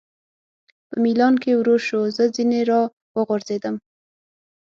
په مېلان کې ورو شو، زه ځنې را وغورځېدم.